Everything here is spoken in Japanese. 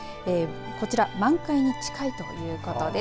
こちら満開に近いということです。